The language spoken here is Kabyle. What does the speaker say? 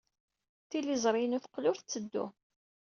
Tiliẓri-inu teqqel ur tetteddu.